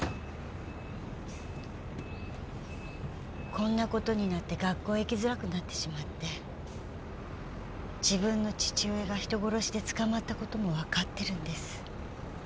こんなことになって学校へ行きづらくなってしまって自分の父親が人殺しで捕まったことも分かってるんです